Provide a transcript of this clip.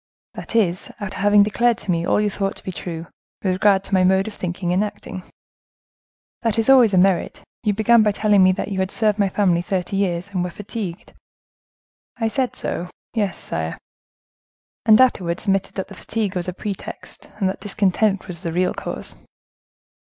"That is, after having declared to me all you thought to be true, with regard to my mode of thinking and acting. That is always a merit. You began by telling me that you had served my family thirty years, and were fatigued." "I said so; yes, sire." "And you afterwards admitted that that fatigue was a pretext, and that discontent was the real cause."